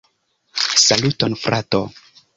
Saluton frato!